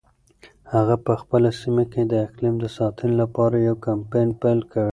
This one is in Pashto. هغه په خپله سیمه کې د اقلیم د ساتنې لپاره یو کمپاین پیل کړ.